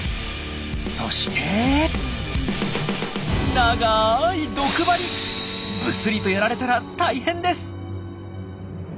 そして長いブスリとやられたら大変です。